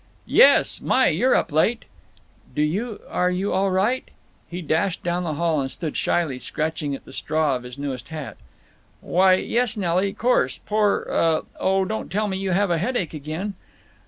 "Yes. My, you're up late." "Do you—Are you all right?" He dashed down the hall and stood shyly scratching at the straw of his newest hat. "Why yes, Nelly, course. Poor—Oh, don't tell me you have a headache again?"